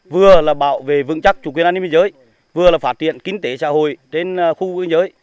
vừa là bảo vệ vững chắc chủ quyền an ninh biên giới vừa là phát triển kinh tế xã hội trên khu biên giới